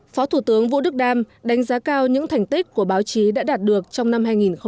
phó thủ tướng vũ đức đam đánh giá cao những thành tích của báo chí đã đạt được trong năm hai nghìn một mươi tám